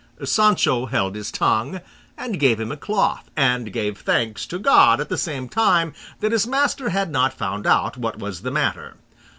Sancho held his tongue, and gave him a cloth, and gave thanks to God at the same time that his master had not found out what was the matter.